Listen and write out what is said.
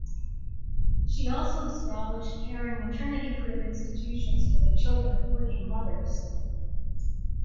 She also established caring maternity crib institutions for the children of working mothers.